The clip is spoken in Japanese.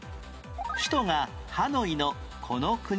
首都がハノイのこの国は？